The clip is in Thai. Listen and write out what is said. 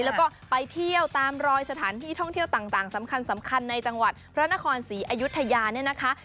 แล้วก็ไปเที่ยวตามรอยสถานที่ท่องเที่ยวต่างสำคัญในจังหวัดพระนครศรีอยุธยาเนี่ยนะคะ